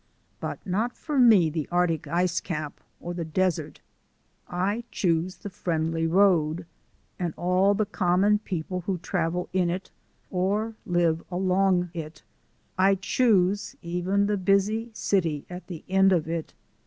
But not for me the Arctic ice cap or the desert! I choose the Friendly Road and all the common people who travel in it or live along it I choose even the busy city at the end of it.